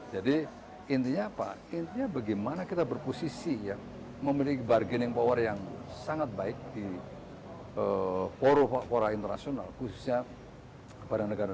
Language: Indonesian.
jadi intinya apa intinya bagaimana kita berposisi yang memiliki bargaining power yang sangat baik di poro poro internasional khususnya pada negara negara besar